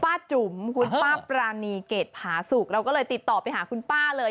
จุ๋มคุณป้าปรานีเกรดผาสุกเราก็เลยติดต่อไปหาคุณป้าเลย